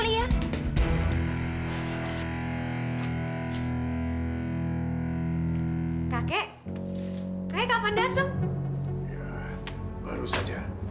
ya baru saja